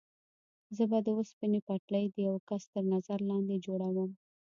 زه به د اوسپنې پټلۍ د یوه کس تر نظر لاندې جوړوم.